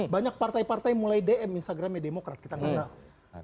banyak partai partai mulai dm instagramnya demokrat kita nggak tahu